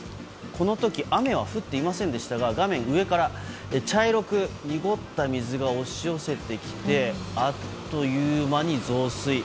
この時雨は降っていませんでしたが画面上から茶色く濁った水が押し寄せてきてあっという間に増水。